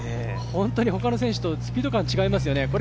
本当に他の選手とスピード感が違いますよね。